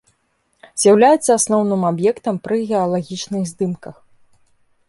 З'яўляюцца асноўным аб'ектам пры геалагічных здымках.